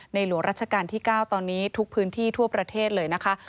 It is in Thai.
หลวงราชการที่๙ตอนนี้ทุกพื้นที่ทั่วประเทศเลยนะคะ